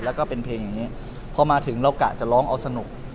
แล้วก็เป็นเพลงอย่างนี้พอมาถึงเรากะจะร้องเอาสนุก